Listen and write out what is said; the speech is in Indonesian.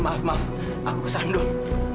maaf maaf aku kesan dong